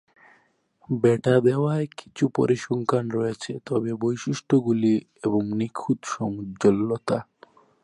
বেটা দেউয়ায় কিছু পরিসংখ্যান রয়েছে, তবে বৈশিষ্ট্যগুলি এবং নিখুঁত সমুজ্জ্বলতা।